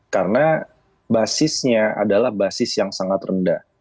karena basisnya adalah basis yang sangat rendah